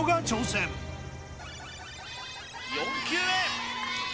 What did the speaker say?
４球目！